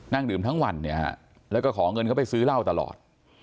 นั่งดื่มทั้งวันเนี่ยฮะแล้วก็ขอเงินเขาไปซื้อเหล้าตลอด